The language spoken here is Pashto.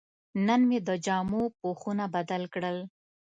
نن مې د جامو پوښونه بدل کړل.